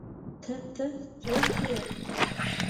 _ته، ته، څوک يې؟